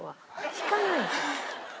引かないと。